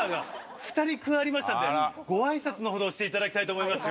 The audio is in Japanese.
加わりましたのでご挨拶のほどしていただきたいと思います